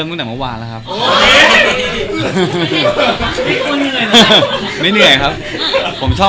อายุแล้วมาได้ไหมอ็ยเริ่มเลย